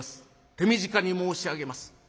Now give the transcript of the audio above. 手短に申し上げます。